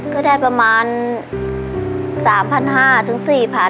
ก็ได้ประมาณ๓๕๐๐ถึง๔๐๐บาท